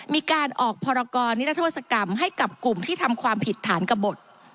มีการออกพรกรนิรัทธศกรรมให้กับกลุ่มที่ทำความผิดฐานกระบด